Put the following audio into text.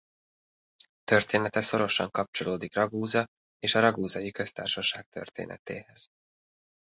Története szorosan kapcsolódik Raguza és a Raguzai Köztársaság történetéhez.